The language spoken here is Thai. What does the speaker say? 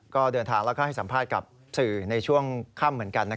ก็เดินทางแล้วก็ให้สัมภาษณ์กับสื่อในช่วงค่ำเหมือนกัน